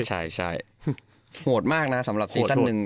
ใช่โหดมากนะสำหรับซีซั่นหนึ่ง